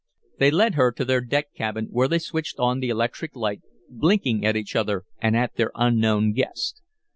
They led her to their deck cabin, where they switched on the electric light, blinking at each other and at their unknown guest.